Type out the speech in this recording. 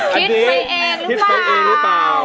คิดไปเองหรือเปล่า